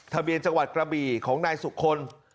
ทะเบียนจังหวัดกระบี่ของนายสุคล